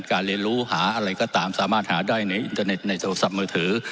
เรียนรู้หาอะไรก็ตามสามารถหาได้ในอินเทอร์เน็ตในโทรศัพท์มือถือ